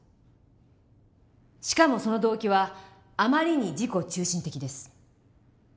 しかもその動機はあまりに自己中心的です。